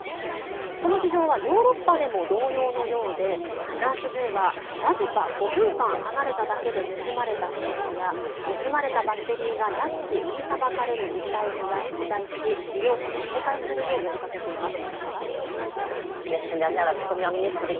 その事情はヨーロッパでも同様のようで、フランス２は僅か５分間離れただけで盗まれたケースや盗まれたバッテリーが安く売りさばかれる実態を取材し利用者に警戒するよう呼びかけています。